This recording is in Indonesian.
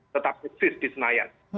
tetap eksis di senayan